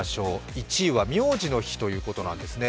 １位は苗字の日ということなんですね。